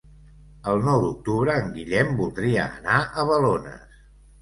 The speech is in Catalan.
El nou d'octubre en Guillem voldria anar a Balones.